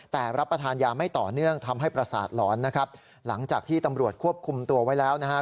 แต่รับประทานยาไม่ต่อเนื่องทำให้ประสาทหลอนนะครับหลังจากที่ตำรวจควบคุมตัวไว้แล้วนะฮะ